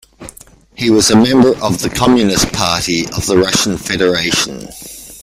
He was a member of the Communist Party of the Russian Federation.